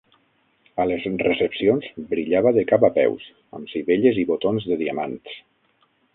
A les recepcions, brillava de cap a peus, amb sivelles i botons de diamants.